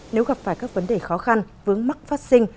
nếu gặp phải các vấn đề khó khăn vướng mắc phát sinh